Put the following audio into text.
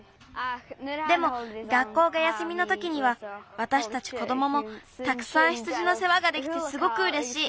でも学校が休みのときにはわたしたちこどももたくさん羊のせわができてすごくうれしい。